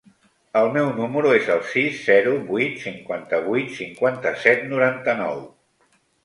El meu número es el sis, zero, vuit, cinquanta-vuit, cinquanta-set, noranta-nou.